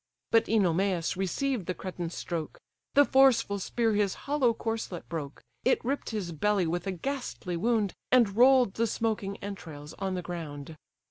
But OEnomas received the Cretan's stroke; The forceful spear his hollow corslet broke, It ripp'd his belly with a ghastly wound, And roll'd the smoking entrails on the ground.